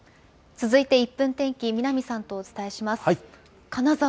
続いて１分天気、南さんとお伝えします。